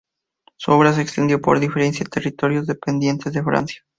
Su obra se extendió por diferentes territorios dependientes de Francia.